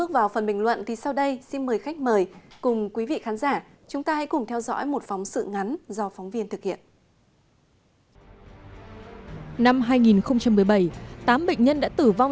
vâng xin cảm ơn